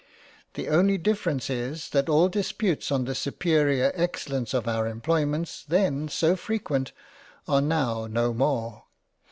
The only difference is that all disputes on the superior excellence of our Employments then so frequent are now no more.